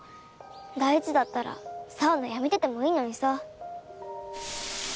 大事だったらサウナやめててもいいのにさ。